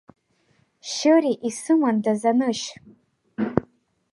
Шьыри, исымандаз анышь!